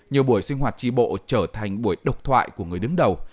nhiều buổi sinh hoạt tri bộ trở thành buổi độc thoại của người đứng đầu